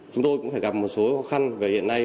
chúng tôi cũng phải gặp một số khó khăn về hiện nay